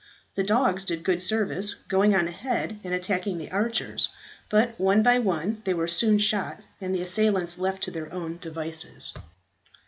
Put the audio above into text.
The dogs did good service, going on ahead and attacking the archers; but, one by one, they were soon shot, and the assailants left to their own devices.